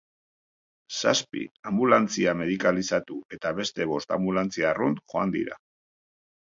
Zazpi anbulantzia medikalizatu eta beste bost anbulantzia arrunt joan dira.